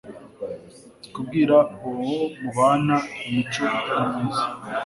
kubwira uwo mubana imico itari myiza